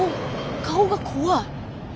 顔が怖い。